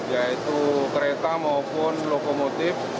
yaitu kereta maupun lokomotif